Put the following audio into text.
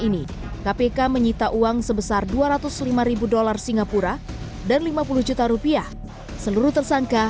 ini kpk menyita uang sebesar dua ratus lima ribu dolar singapura dan lima puluh juta rupiah seluruh tersangka